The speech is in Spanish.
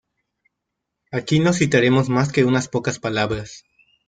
Aquí no citaremos más que unas pocas palabras.